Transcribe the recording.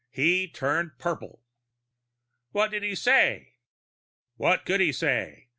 He turned purple." "What did he say?" "What could he say?